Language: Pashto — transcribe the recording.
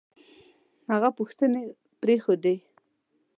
هغه پوښتنې پرېښودې